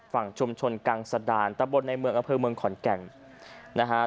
ฝั่งชุมชนกลางสดานตรงบนในเมืองกระเพลงเมืองขอนแก่งนะฮะ